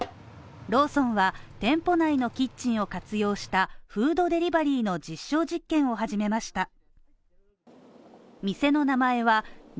ローソンは、店舗内のキッチンを活用したフードデリバリーの実証実験を始めました。